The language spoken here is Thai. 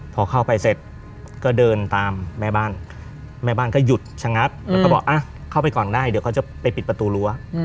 พอเข้าไปเสร็จก็เดินตามแม่บ้านแม่บ้านก็หยุดชะงักแล้วก็บอกเข้าไปก่อนได้เดี๋ยวเขาจะไปปิดประตูรั้ว